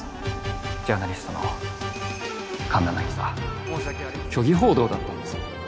ジャーナリストの神田凪沙虚偽報道だったんです